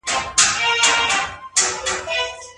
که هوټلونه صحي خواړه پاخه کړي، نو د خلګو معدې نه خرابیږي.